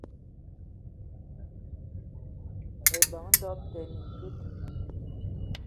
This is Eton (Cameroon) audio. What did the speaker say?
Ebeng doöb te mintout.